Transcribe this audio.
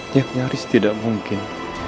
yang nyaris tidak mungkin